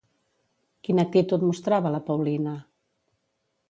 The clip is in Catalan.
Quina actitud mostrava la Paulina?